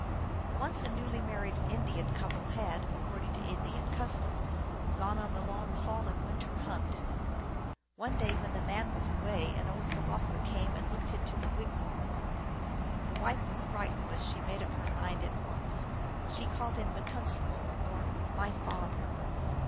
Once a newly married Indian couple had, accord ing to Indian custom, gone on the long fall and win ter hunt. One day when the man was away an old Kewahqu came and looked into the wigwam. The wife was frightened, but she made up her mind at once : she called him Mittunksl, or " my father."